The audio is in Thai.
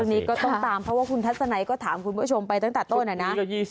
อันนี้ก็ต้องตามเพราะว่าคุณทัศนัยก็ถามคุณผู้ชมไปตั้งแต่ต้นนะ